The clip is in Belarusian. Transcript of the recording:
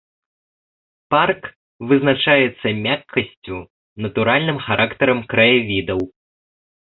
Парк вызначаецца мяккасцю, натуральным характарам краявідаў.